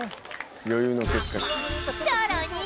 さらに